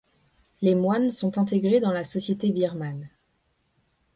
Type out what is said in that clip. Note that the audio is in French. Les moines sont intégrés dans la société birmane.